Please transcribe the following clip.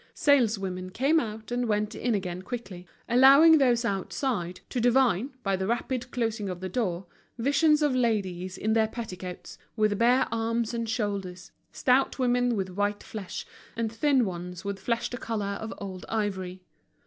Saleswomen came out and went in again quickly, allowing those outside to divine, by the rapid closing of the door, visions of ladies in their petticoats, with bare arms and shoulders—stout women with white flesh, and thin ones with flesh the color of old ivory.